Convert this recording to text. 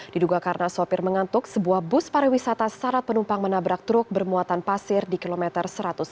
diduga karena sopir mengantuk sebuah bus pariwisata syarat penumpang menabrak truk bermuatan pasir di kilometer satu ratus enam puluh